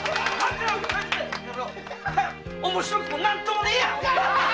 面白くもナンともねぇや。